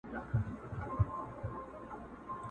څوک پاچا وي، څوک مُلا وي، څوک کلال دی!.